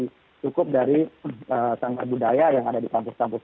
jadi cukup dari tanggal budaya yang ada di kampus kampus itu